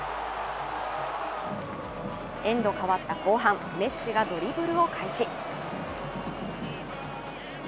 エンド変わった後半、メッシがドリブルを開始。